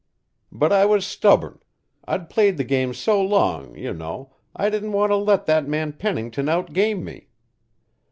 But I was stubborn; I'd played the game so long, you know I didn't want to let that man Pennington outgame me.